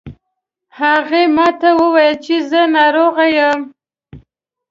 هغې ما ته وویل چې زه ناروغه یم